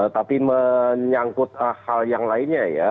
tapi menyangkut hal yang lainnya ya